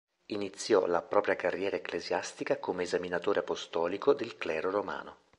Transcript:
Iniziò la propria carriera ecclesiastica come esaminatore apostolico del clero romano.